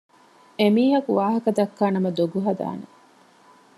އެމީހަކު ވާހަކަދައްކާ ނަމަ ދޮގު ހަދާނެ